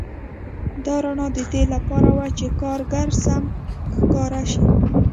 دا رڼا د دې لپاره وه چې کارګر سم ښکاره شي